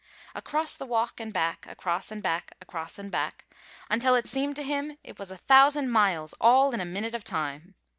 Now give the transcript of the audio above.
Across the walk and back; across and back; across and back; until it seemed to him it was a thousand miles all in a minute of time.